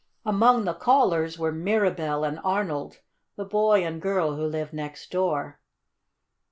Among the callers were Mirabell and Arnold, the boy and girl who lived next door.